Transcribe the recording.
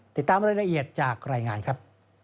ติดตามรายละเอียดจากรายงานครับ